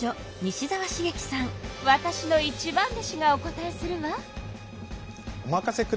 わたしの一番弟子がお答えするわ。